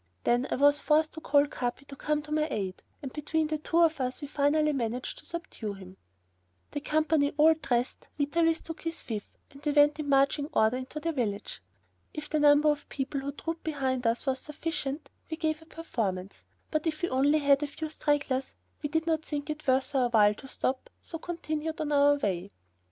Then I was forced to call Capi to come to my aid, and between the two of us we finally managed to subdue him. The company all dressed, Vitalis took his fife and we went in marching order into the village. If the number of people who trooped behind us was sufficient, we gave a performance, but if we had only a few stragglers, we did not think it worth our while to stop, so continued on our way.